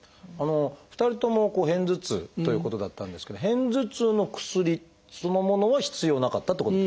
２人とも片頭痛ということだったんですけど片頭痛の薬そのものは必要なかったってことですか？